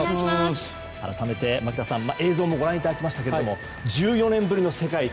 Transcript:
改めて牧田さん映像もご覧いただきましたが１４年ぶりの世界一